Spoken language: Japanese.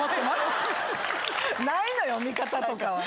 ないのよ味方とかは。